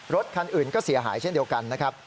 รถคันอื่นก็เสียหายเช่นเดียวกันนะครับ